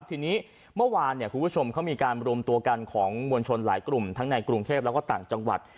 ทีนี้เมื่อวานคุณผู้ชมเขามีการรวมตัวกันของมวลชนหลายกลุ่มทั้งในกรุงเทพแล้วก็ต่างจังหวัด